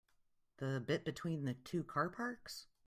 The bit between the two car parks?